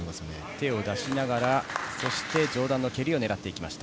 手を出しながら上段の蹴りを狙っていきました。